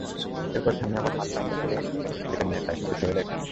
এরপর স্থানীয় গণমান্য ব্যক্তিদের অনুরোধে মুচলেকা নিয়ে সাইফুলকে ছেড়ে দেয় পুলিশ।